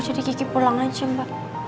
jadi kiki pulang aja mbak